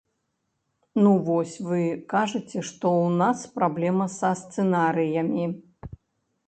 Ну вось вы кажаце, што ў нас праблема са сцэнарыямі.